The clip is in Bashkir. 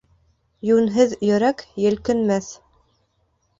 Йүнһеҙ йөрәк елкенмәҫ.